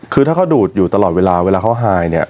คือถ้าเขาดูดอยู่ตลอดเวลาเวลาเขาหายเนี่ย